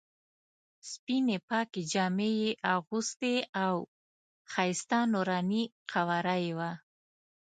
سپینې پاکې جامې یې اغوستې او ښایسته نوراني قواره یې وه.